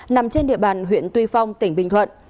nằm trên địa bàn huyện tuy phong tỉnh bình thuận